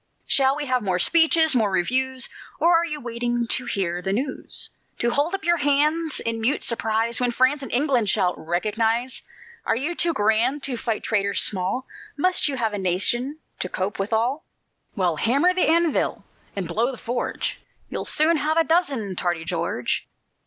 Shall we have more speeches, more reviews? Or are you waiting to hear the news; To hold up your hands in mute surprise, When France and England shall "recognize"? Are you too grand to fight traitors small? Must you have a nation to cope withal? Well, hammer the anvil and blow the forge You'll soon have a dozen, tardy George.